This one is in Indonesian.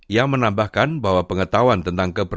yang menambahkan bahwa pengetahuan tentang keberadaan